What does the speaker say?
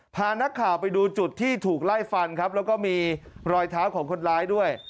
พานักข่าวไปดูจุดที่ถูกไล่ฟันครับแล้วก็มีรอยเท้าของคนร้ายด้วย